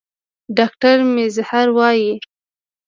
ډاکټر میزهر وايي